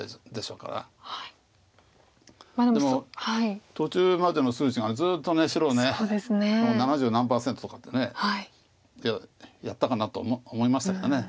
でも途中までの数値がずっと白七十何パーセントとかいややったかなと思いましたけど。